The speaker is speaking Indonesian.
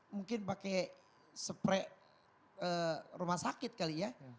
mungkin pakai spray rumah sakit kali ya